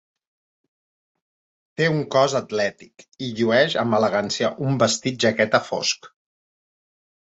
Té un cos atlètic i llueix amb elegància un vestit-jaqueta fosc.